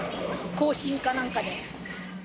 行進かなんかで。